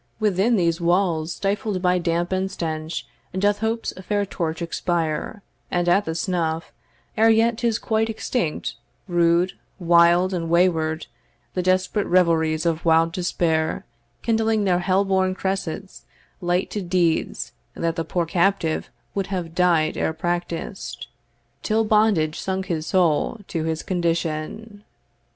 Within these walls, stifled by damp and stench, Doth Hope's fair torch expire; and at the snuff, Ere yet 'tis quite extinct, rude, wild, and way ward, The desperate revelries of wild despair, Kindling their hell born cressets, light to deeds That the poor captive would have died ere practised, Till bondage sunk his soul to his condition.